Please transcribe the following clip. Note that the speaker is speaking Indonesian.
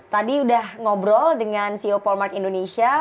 tadi udah ngobrol dengan ceo polmark indonesia